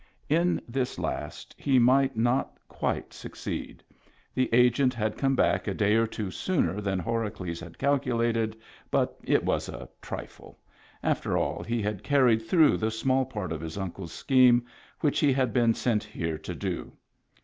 In this last he might not quite succeed ; the Agent had come back a day or two sooner than Horacles had calculated, but it was a trifle ; after all, he had carried through the small part of his uncle's scheme which he had been sent here to do.